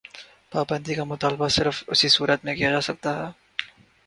پابندی کا مطالبہ صرف اسی صورت میں کیا جا سکتا ہے۔